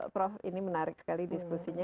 prof ini menarik sekali diskusinya